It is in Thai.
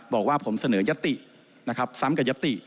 บอกว่าผมเสนอยัตตินะครับซ้ำกับยัตติ